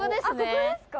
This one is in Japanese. ここですか？